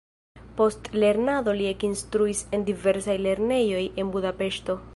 Post lernado li ekinstruis en diversaj lernejoj en Budapeŝto.